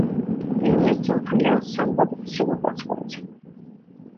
তিনি একজন ফ্রিল্যান্স সাংবাদিক হিসেবেও কাজ করেছেন।